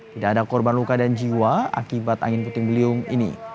tidak ada korban luka dan jiwa akibat angin puting beliung ini